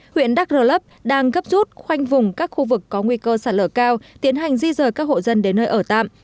huyện đắk rờ lấp đang gấp rút khoanh vùng các khu vực có nguy cơ sạt lở cao tiến hành di rời các hộ dân đến nơi ở tạm